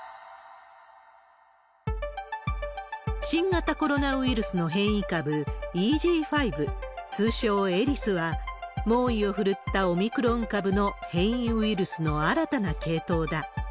新型コロナウイルスの変異株、ＥＧ．５、通称エリスは、猛威を振るったオミクロン株の変異ウイルスの新たな系統だ。